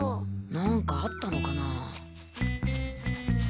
何かあったのかな？